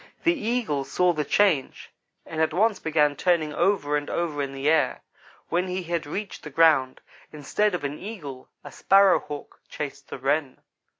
The Eagle saw the change, and at once began turning over and over in the air. When he had reached the ground, instead of an Eagle a Sparrow hawk chased the Wren.